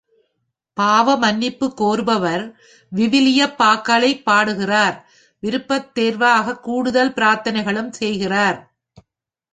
பாவமன்னிப்பு கோருபவர் விவிலியப் பாக்களைப் பாடுகிறார், விருப்பத் தேர்வாகக் கூடுதல் பிரார்த்தனைகளும் செய்கிறார்.